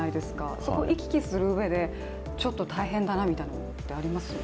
そこを往き来するうえでちょっと大変だなというのはあります？